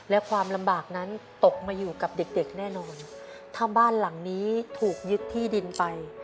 และความลำบากนั้นตกมาอยู่กับเด็กเด็กแน่นอนถ้าบ้านหลังนี้ถูกยึดที่ดินไป